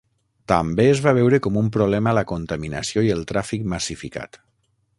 També es va veure com un problema la contaminació i el tràfic massificat.